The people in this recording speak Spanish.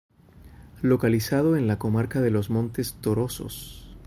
Localizado en la comarca de los Montes Torozos.